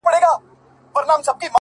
دا به نو حتمي وي کرامت د نوي کال!!